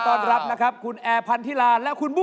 เพราะว่ารายการหาคู่ของเราเป็นรายการแรกนะครับ